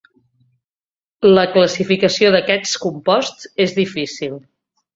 La classificació d'aquests composts és difícil.